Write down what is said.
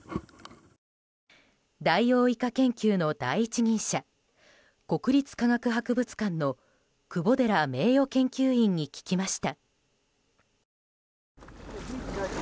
ダイオウイカ研究の第一人者国立科学博物館の窪寺名誉研究員に聞きました。